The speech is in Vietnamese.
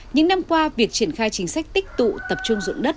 những năm qua việc triển khai chính sách tích tụ tập trung dụng đất